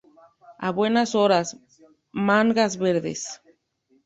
A buenas horas, mangas verdes